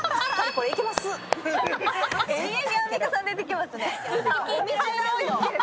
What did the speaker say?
延々にアンミカさん出てきますね。